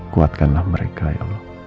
kuatkanlah mereka ya allah